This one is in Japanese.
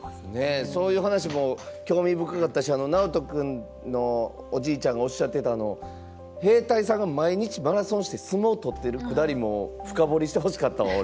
そういう話も興味深かったしなおとくんのおじいちゃんがおっしゃっていた兵隊さんが毎日マラソンして相撲をとってるくだりも深掘りしてほしかったわ俺。